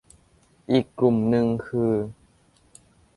อีกกลุ่มนึงคือ